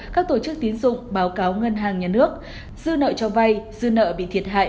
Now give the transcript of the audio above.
các tổ chức tín dụng báo cáo ngân hàng nhà nước dư nợ cho vay dư nợ bị thiệt hại